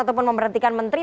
ataupun memerhentikan menteri